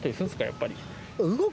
やっぱり。